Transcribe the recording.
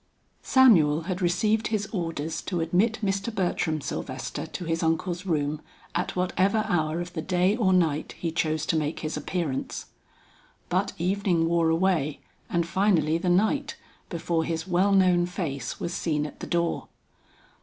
Samuel had received his orders to admit Mr. Bertram Sylvester to his uncle's room, at whatever hour of the day or night he chose to make his appearance. But evening wore away and finally the night, before his well known face was seen at the door.